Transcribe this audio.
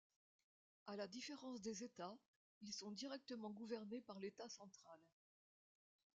À la différence des États, ils sont directement gouvernés par l'État central.